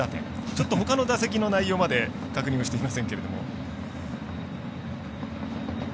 ちょっとほかの打席の内容までは確認はしていませんけれども。